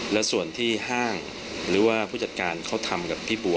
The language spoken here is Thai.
และส่วนที่ห้างหรือว่าผู้จัดการเขาทำกับพี่บัว